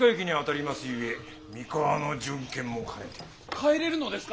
帰れるのですか！？